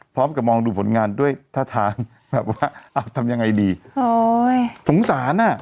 พร้อมกับมองดูผลงานด้วยท่าทางแบบว่าอ้าวทำยังไงดีโอ้ยสงสารอ่ะ